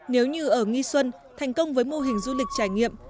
nếu như ở nghi xuân thành công với mô hình du lịch trải nghiệm